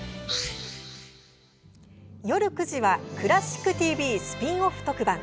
夜９時は「クラシックＴＶ」スピンオフ特番